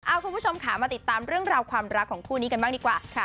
คุณผู้ชมค่ะมาติดตามเรื่องราวความรักของคู่นี้กันบ้างดีกว่าค่ะ